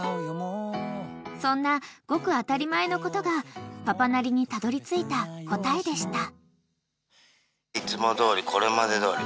［そんなごく当たり前のことがパパなりにたどりついた答えでした］